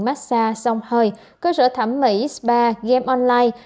massage song hơi cơ sở thẩm mỹ spa game online